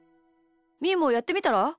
みーもやってみたら？